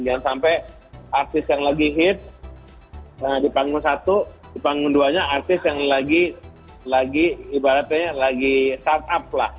jangan sampai artis yang lagi hit di panggung satu di panggung duanya artis yang lagi ibaratnya lagi startup lah